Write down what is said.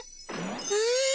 え！